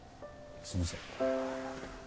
すいません。